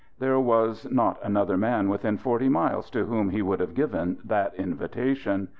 There was not another man within forty miles to whom he would have given that invitation.